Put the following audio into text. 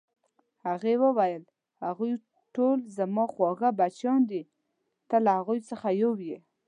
هغې وویل: هغوی ټول زما خواږه بچیان دي، ته له هغو څخه یو یې.